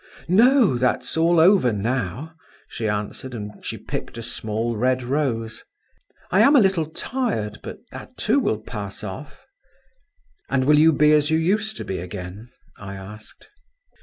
"No, that's all over now," she answered, and she picked a small red rose. "I am a little tired, but that too will pass off." "And will you be as you used to be again?" I asked.